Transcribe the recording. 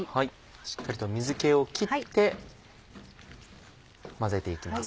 しっかりと水気を切って混ぜて行きます。